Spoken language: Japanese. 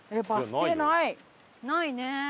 ないね。